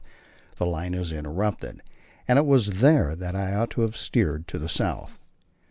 the line is interrupted, and it was there that I ought to have steered to the south.